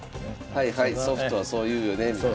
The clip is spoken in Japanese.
はいはいソフトはそう言うよねみたいな。